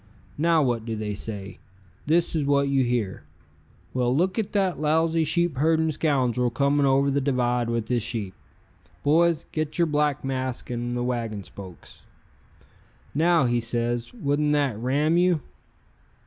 Now what do they say? This is what you hear: 'Well, look at that lousy sheepherding scoundrel coming over the divide with his sheep. Boys, get your black masks and the wagon spokes.' "Now," he says, "wouldn't that Ram you?